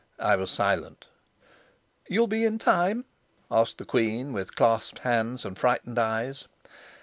I was silent. "You'll be in time?" asked the queen, with clasped hands and frightened eyes.